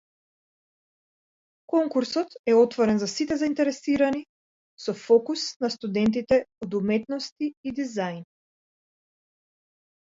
Конкурсот е отворен за сите заинтересирани, со фокус на студентите од уметности и дизајн.